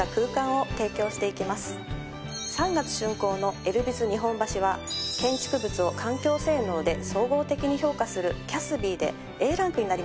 ３月竣工のＬ．Ｂｉｚ日本橋は建築物を環境性能で総合的に評価するＣＡＳＢＥＥでＡランクになりました。